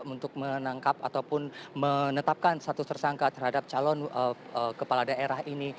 untuk menangkap ataupun menetapkan status tersangka terhadap calon kepala daerah ini